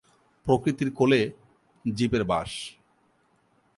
প্রকৃতির কোলে জীবের বাস।